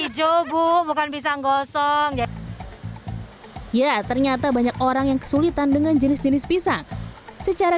hijau bu bukan pisang gosong ya ya ternyata banyak orang yang kesulitan dengan jenis jenis pisang secara